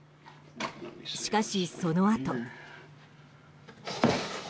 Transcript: しかしそのあと。